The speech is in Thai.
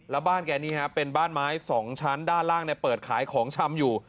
แล้วบ้านแกนี่ฮะเป็นบ้านไม้๒ชั้นด้านล่างเปิดขายของชำอยู่